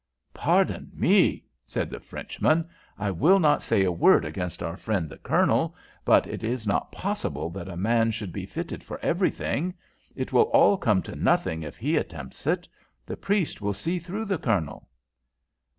"Pardon me!" cried the Frenchman. "I will not say a word against our friend the Colonel, but it is not possible that a man should be fitted for everything. It will all come to nothing if he attempts it. The priest will see through the Colonel."